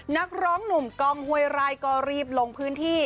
นักร้องหนุ่มกองห้วยไร่ก็รีบลงพื้นที่